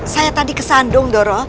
saya tadi kesandung doro